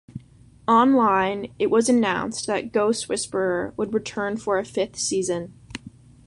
Online, it was announced that "Ghost Whisperer" would return for a fifth season.